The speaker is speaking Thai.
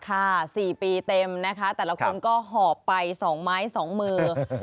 ๔ปีเต็มนะคะแต่ละคนก็หอบไป๒ไม้๒มือ